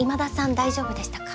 大丈夫でしたか？